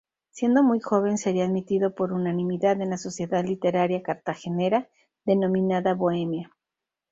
Siendo muy joven, sería admitido por unanimidad en la Sociedad Literaria cartagenera, denominada "Bohemia".